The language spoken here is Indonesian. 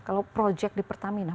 kalau project di pertamina